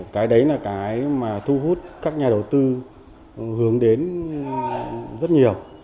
cái đấy là cái mà thu hút các nhà đầu tư hướng đến rất nhiều